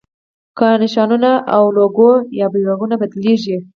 که نښانونه او لوګو یا بیرغونه بدلېږي.